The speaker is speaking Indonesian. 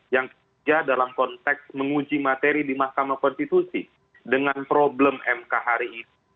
yang ketiga dalam konteks menguji materi di mahkamah konstitusi dengan problem mk hari ini